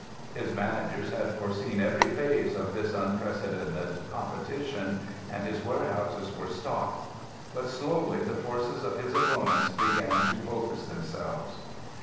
His managers had foreseen every phase of this unprecedented competition, and his warehouses were stocked. But slowly the forces of his opponents began to focus themselves.